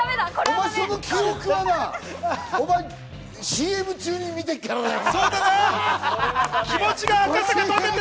お前、その記憶はな、ＣＭ中に見てるからだよ！